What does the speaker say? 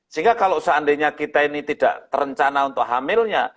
sehingga kalau seandainya kita ini tidak terencana untuk hamilnya